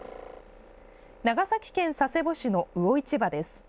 長崎県佐世保市の魚市場です。